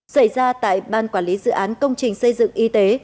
xảy ra tại ban quản lý dự án công trình xây dựng y tế